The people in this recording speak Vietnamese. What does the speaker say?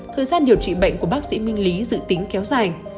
thời gian điều trị bệnh của bác sĩ minh lý dự tính kéo dài